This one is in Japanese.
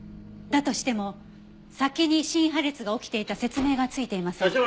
だとしても先に心破裂が起きていた説明がついていません。